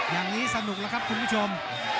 อย่างนี้สนุกแล้วครับคุณผู้ชม